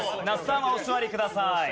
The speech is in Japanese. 那須さんはお座りください。